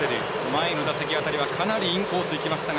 前の打席辺りはかなりインコースいきました。